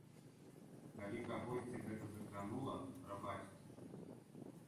Калі кагосьці гэта закранула, прабачце.